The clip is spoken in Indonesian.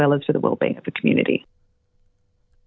dan juga kemampuan keamanan komunitas